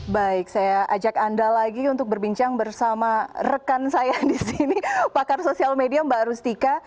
baik saya ajak anda lagi untuk berbincang bersama rekan saya di sini pakar sosial media mbak rustika